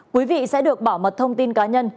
quý vị sẽ được bảo mật thông tin cá nhân